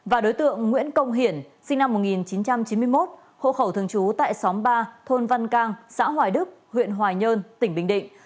và đối tượng nguyễn công hiển sinh năm một nghìn chín trăm chín mươi một hộ khẩu thường trú tại xóm ba thôn văn cang xã hoài đức huyện hoài nhơn tỉnh bình định